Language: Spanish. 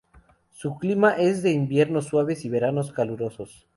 Su clima es de inviernos suaves y veranos calurosos.